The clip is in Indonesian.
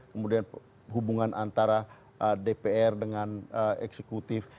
kemudian hubungan antara dpr dengan eksekutif